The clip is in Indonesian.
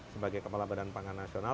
sebagai kepala badan pangan nasional